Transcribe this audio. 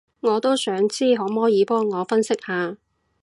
我都想知，可摸耳幫我分析下